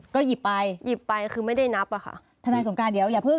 ก็หยิบไปหยิบไปคือไม่ได้นับอ่ะค่ะทนายสงการเดี๋ยวอย่าเพิ